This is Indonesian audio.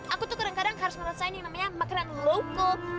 aku tuh kadang kadang harus merasain yang namanya makanan loko